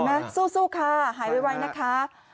ใช่ค่ะสู้ค่ะหายไว้ไว้นะคะ